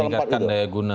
meningkatkan daya guna